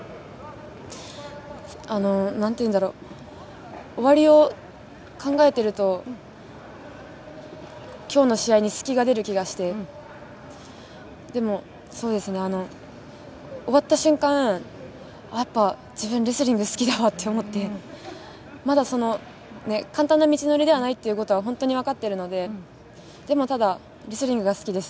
あの、なんて言うんだろう、終わりを考えてると、きょうの試合に隙が出る気がして、でも、そうですね、終わった瞬間、やっぱ、自分レスリング好きだわと思って、まだ、簡単な道のりではないということは本当に分かってるので、でもただ、レスリングが好きです。